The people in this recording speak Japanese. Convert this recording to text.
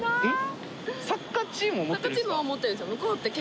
［えっ！？］